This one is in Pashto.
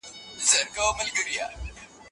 د تیرو تیږو اندازه له دې یوې څخه ډېره کوچنۍ وه.